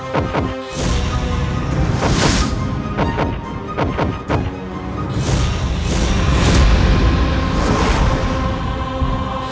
dia sudah tweezer